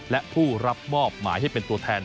และผู้รับมอบหมายให้เป็นตัวแทน